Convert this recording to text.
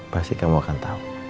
pasti kamu akan tau